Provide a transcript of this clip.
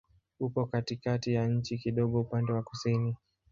Upo katikati ya nchi, kidogo upande wa kusini.